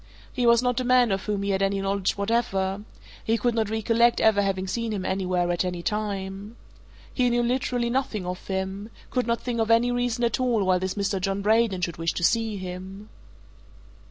He was not a man of whom he had any knowledge whatever he could not recollect ever having seen him anywhere at any time. He knew literally nothing of him could not think of any reason at all why this Mr. John Braden should wish to see him.